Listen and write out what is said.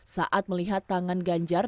saat melihat tangan ganjar